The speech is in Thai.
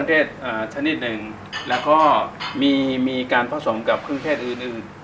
เป็นเครื่องเทศชนิดหนึ่งแล้วก็มีการผสมกับเครื่องเทศอื่น